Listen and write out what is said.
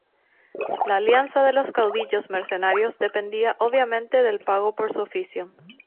La alianza de los caudillos mercenarios dependía, obviamente, del pago por su oficio.